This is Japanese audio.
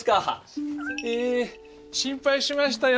え心配しましたよ